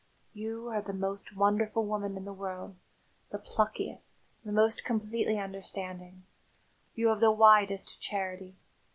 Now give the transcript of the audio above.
"You are the most wonderful woman in the world the pluckiest, the most completely understanding; you have the widest charity.